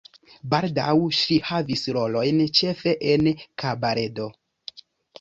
Baldaŭ ŝi havis rolojn ĉefe en kabaredo.